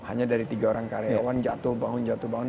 hanya dari tiga orang karyawan jatuh bangun jatuh bangun